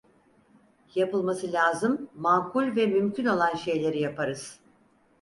Yapılması lazım, makul ve mümkün olan şeyleri yaparız.